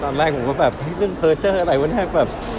ตอนแรกผมก็แบบเรื่องเพอร์เจอร์อะไรวะเนี่ยแบบ